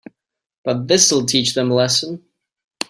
But this'll teach them a lesson.